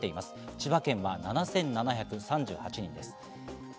千葉県は７７３８人です。